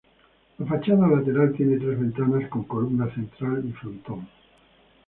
La fachada lateral tiene tres ventanas con columna central y frontón.